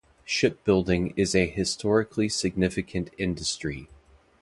Shipbuilding is a historically significant industry.